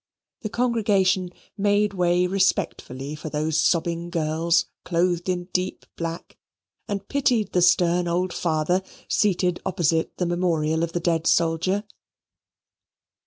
The congregation made way respectfully for those sobbing girls clothed in deep black, and pitied the stern old father seated opposite the memorial of the dead soldier.